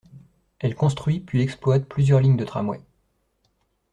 Elle construit puis exploite plusieurs lignes de tramway.